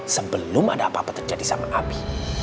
sebelum ada apa apa terjadi sama api